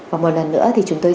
và một lần nữa thì chúng tôi